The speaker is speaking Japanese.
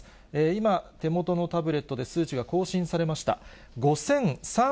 今、手元のタブレットで数値が更新されました。